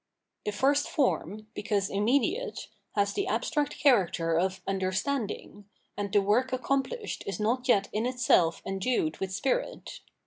The first form, because immediate, has the abstract character of " understanding," and the work accom phshed is not yet in itself endued with spirit.